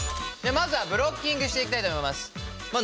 まずはブロッキングしていきたいと思います。